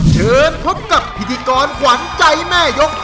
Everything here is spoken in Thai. เชิญพบกับพิธีกรขวัญใจแม่ยก